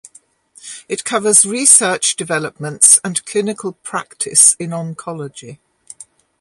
It covers research developments and clinical practice in oncology.